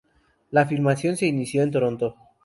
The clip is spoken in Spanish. La filmación se inició en Toronto.